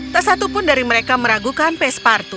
tak satu pun dari mereka meragukan pes partu